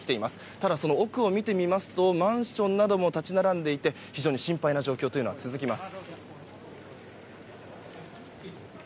ただ奥を見てみますとマンションなども立ち並んでいて非常に心配な状況が続きます。